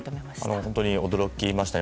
本当に驚きましたね。